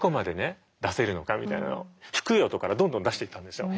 低い音からどんどん出していったんですよ。